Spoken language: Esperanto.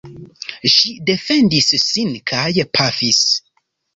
Ŝi defendis sin kaj pafis.